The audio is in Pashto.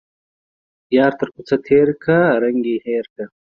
يار تر کوڅه تيرکه ، رنگ يې هير که.